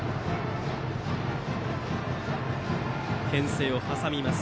けん制を挟みます。